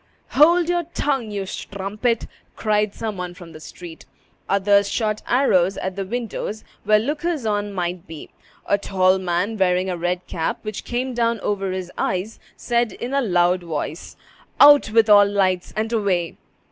"Hold your tongue, you strumpet!" cried some one from the street. Others shot arrows at the windows where lookers on might be. A tall man, wearing a red cap which came down over his eyes, said in a loud voice, "Out with all lights, and away!"